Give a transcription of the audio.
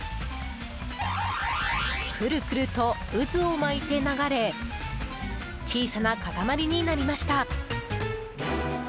くるくると渦を巻いて流れ小さな塊になりました。